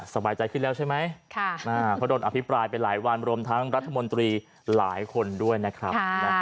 สบายใจขึ้นแล้วใช่ไหมเพราะโดนอภิปรายไปหลายวันรวมทั้งรัฐมนตรีหลายคนด้วยนะครับ